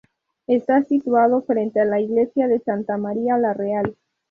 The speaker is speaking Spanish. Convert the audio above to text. Está situado frente a la Iglesia de Santa María la Real.